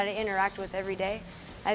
yang saya interaksi dengan setiap hari